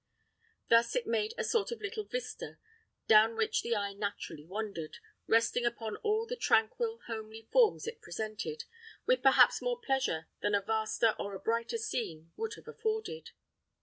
Thus it made a sort of little vista, down which the eye naturally wandered, resting upon all the tranquil, homely forms it presented, with perhaps more pleasure than a vaster or a brighter scene could have afforded.